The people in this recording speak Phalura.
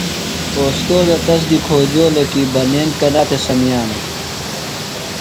اوستوذہ تس دی کھوجولوۡ کی بنین کنا تھےۡ سمِیانہ ؟